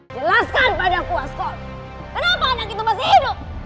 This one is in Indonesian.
jelaskan padaku asgore kenapa anak itu masih hidup